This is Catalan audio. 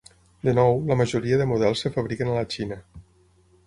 De nou, la majoria de models es fabriquen a la Xina.